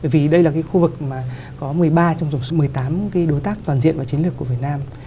vì đây là cái khu vực mà có một mươi ba trong một mươi tám đối tác toàn diện và chiến lược của việt nam